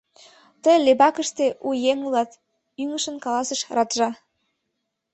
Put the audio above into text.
— Тый Лебакыште у еҥ улат, — ӱҥышын каласыш Раджа.